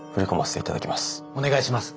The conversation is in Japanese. お願いします。